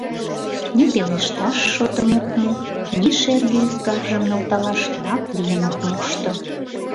Ни пелешташ шотым ок му, ни шерге ӱзгаржым нӧлталаш лап лийын ок мошто.